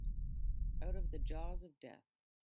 Out of the jaws of death